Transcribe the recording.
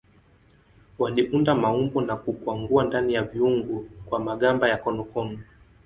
Waliunda maumbo na kukwangua ndani ya viungu kwa magamba ya konokono.